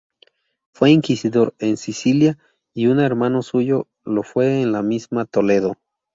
Fue inquisidor en Sicilia, y un hermano suyo lo fue en la misma Toledo.